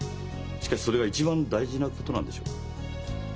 しかしそれが一番大事なことなんでしょうか？